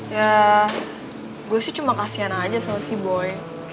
ya gue sih cuma kasian aja sama si boy